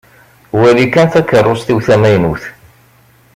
Wali kan takeṛṛust-iw tamaynut.